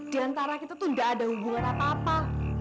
di antara kita tuh gak ada hubungan apa apa